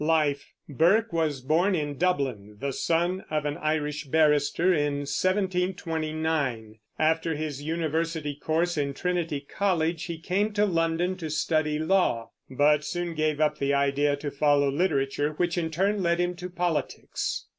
LIFE. Burke was born in Dublin, the son of an Irish barrister, in 1729. After his university course in Trinity College he came to London to study law, but soon gave up the idea to follow literature, which in turn led him to politics.